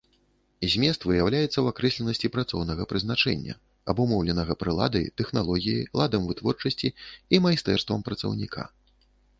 Змест выяўляецца ў акрэсленасці працоўнага прызначэння, абумоўленага прыладай, тэхналогіяй, ладам вытворчасці і майстэрствам працаўніка.